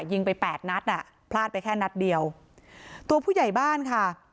ยิงไปแปดนัดอ่ะพลาดไปแค่นัดเดียวตัวผู้ใหญ่บ้านค่ะ